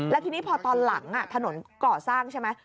แล้วทีนี้พอตอนหลังถนนก่อสร้างใช่ไหม